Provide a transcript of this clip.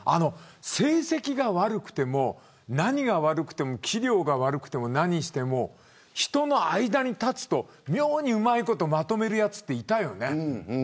成績が悪くても何が悪くても器量が悪くても、何しても人の間に立つと妙にうまいことまとめるやつっていたよね。